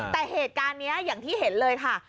แต่เหตุการณ์นี้อย่างที่เห็นเลยค่ะ